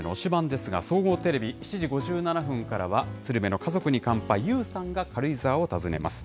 ですが、総合テレビ７時５７分からは、鶴瓶の家族に乾杯、ＹＯＵさんが軽井沢を訪ねます。